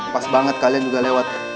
pas banget kalian juga lewat